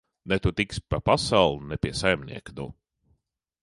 Ne tu tiksi pa pasauli, ne pie saimnieka, nu!